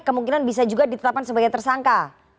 kemungkinan bisa juga ditetapkan sebagai tersangka